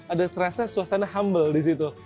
ada terasa suasana humble disitu